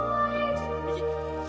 右。